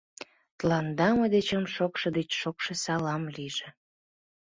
Тыланда мый дечем шокшо деч шокшо салам лийже.